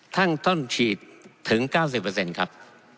ท่านต้องฉีดถึง๙๐ครับ